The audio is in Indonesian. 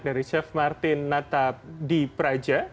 dari chef martin natap di praja